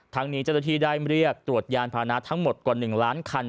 นี้เจ้าหน้าที่ได้เรียกตรวจยานพานะทั้งหมดกว่า๑ล้านคัน